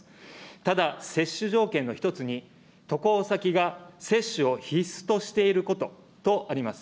ただ接種条件の一つに、渡航先が接種を必須としていることとあります。